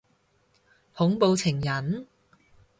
恐怖情人？